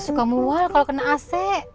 pokoknya bisa mual kalau kena ac